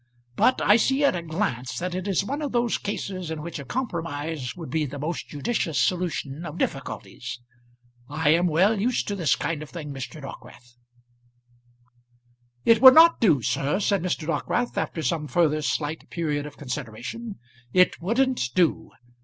But I see at a glance that it is one of those cases in which a compromise would be the most judicious solution of difficulties. I am well used to this kind of thing, Mr. Dockwrath." "It would not do, sir," said Mr. Dockwrath, after some further slight period of consideration. "It wouldn't do.